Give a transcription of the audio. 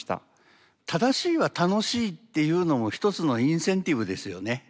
「正しいは楽しい」っていうのもひとつのインセンティブですよね。